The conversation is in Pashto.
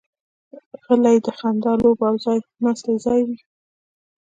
غلۍ د خندا، لوبو او ناستې ځای وي.